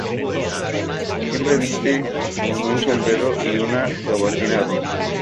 Siempre viste con un sombrero y una gabardina roja.